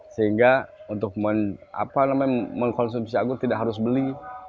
sehingga untuk mengkonsumsi agung tidak harus beli